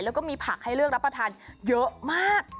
แล้วก็มีผักให้เลือกรับประทานเยอะมาก